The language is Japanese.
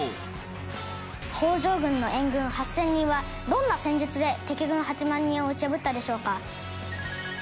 北条軍の援軍８０００人はどんな戦術で敵軍８万人を打ち破ったでしょうか？